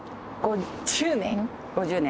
５０年？